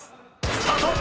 スタート！］